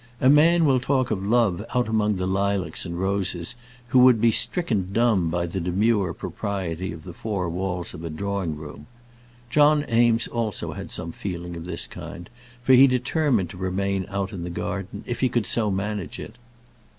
A man will talk of love out among the lilacs and roses, who would be stricken dumb by the demure propriety of the four walls of a drawing room. John Eames also had some feeling of this kind, for he determined to remain out in the garden, if he could so manage it.